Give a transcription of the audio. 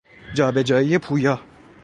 جابجایی پویا